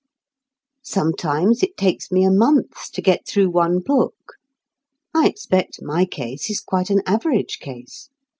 Sometimes it takes me a month to get through one book. I expect my case is quite an average case.